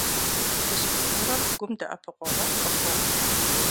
Физкультурэр гум дэӀэпыкъуэгъуфӀ къыхуохъу.